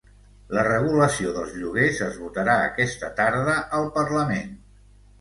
La regulació dels lloguers es votarà aquesta tarda al parlament.